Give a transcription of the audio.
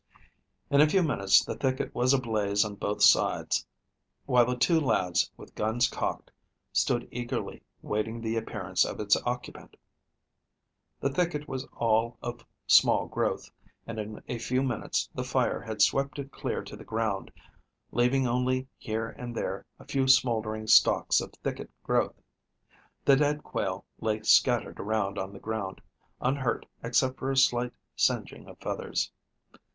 In a few minutes the thicket was ablaze on both sides, while the two lads, with guns cocked, stood eagerly waiting the appearance of its occupant. The thicket was all of small growth, and in a few minutes the fire had swept it clear to the ground, leaving only here and there a few smouldering stalks of thicket growth. The dead quail lay scattered around on the ground, unhurt except for a slight singing of feathers.